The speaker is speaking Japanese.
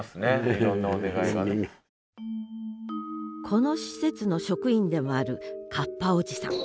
この施設の職員でもあるカッパおじさん。